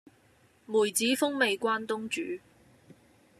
梅子風味關東煮